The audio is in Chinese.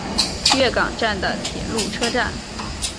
月冈站的铁路车站。